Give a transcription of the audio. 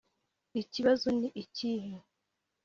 ikibazo ni ikihe?